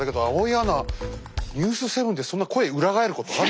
アナ「ニュース７」でそんな声裏返ることある？